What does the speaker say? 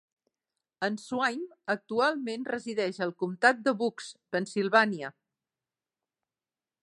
En Swaim actualment resideix al comtat de Bucks, Pennsilvània.